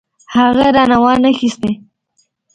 هغې رانه وانه خيستې.